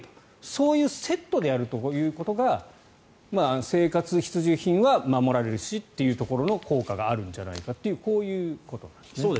そういうセットでやることが生活必需品は守られるしというところの効果があるんじゃないかというこういうことなんですね。